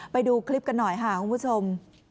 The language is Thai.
ไปดูคลิปกันหน่อยค่ะคุณผู้ชม